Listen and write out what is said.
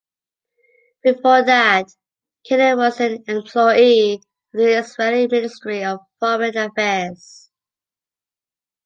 Before that, Kenen was an employee of the Israeli Ministry of Foreign Affairs.